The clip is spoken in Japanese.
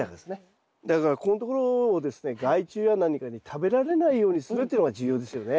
だからここんところをですね害虫や何かに食べられないようにするというのが重要ですよね。